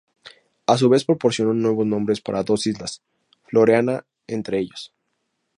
A su vez proporcionó nuevos nombres para dos islas, Floreana entre ellos.